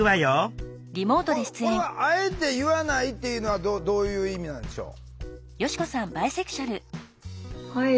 これはあえて言わないっていうのはどういう意味なんでしょう？